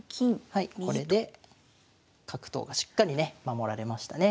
はいこれで角頭がしっかりね守られましたね。